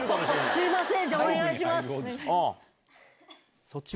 すいません。